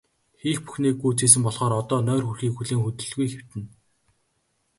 Хийх бүхнээ гүйцээсэн болохоор одоо нойр хүрэхийг хүлээн хөдлөлгүй хэвтэнэ.